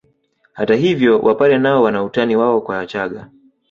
Hata hivyo wapare nao wana utani wao kwa wachaga